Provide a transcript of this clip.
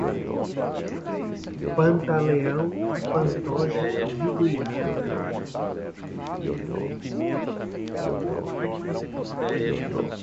Pantaleão, Pantoja, Vigliar